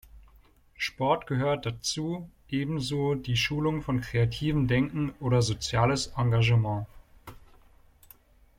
Sport gehört dazu, ebenso die Schulung von kreativem Denken oder soziales Engagement.